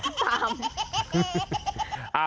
ตาม